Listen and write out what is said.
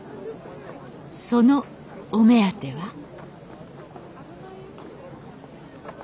そのお目当ては？